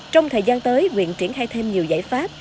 trong thời gian tới quyện triển khai thêm nhiều giải pháp